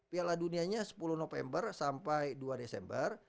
piala dunianya sepuluh november sampai dua desember